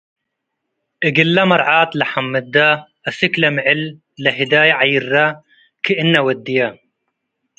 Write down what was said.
እግለ መርዓት ለሐምደ አስክለ ምዕል ለህዳይ ዐይረ ክእነ ወድየ ።